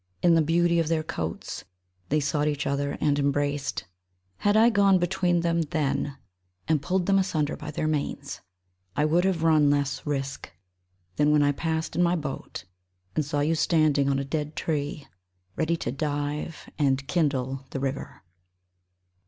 In the beauty of their coats They sought each other and embraced. Had I gone between them then And pulled them asunder by their manes, I would have run less risk Than when I passed in my boat And saw you standing on a dead tree Ready to dive and kindle the river.